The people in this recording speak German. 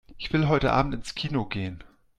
Ich will heute Abend ins Kino gehen.